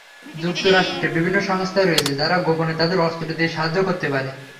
যুক্তরাষ্ট্রের বিভিন্ন সংস্থা রয়েছে, যারা গোপনে তাদের অস্ত্র দিয়ে সাহায্য করতে পারে।